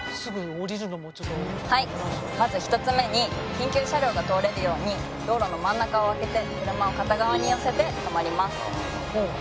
はいまず１つ目に緊急車両が通れるように道路の真ん中を空けて車を片側に寄せて止まります。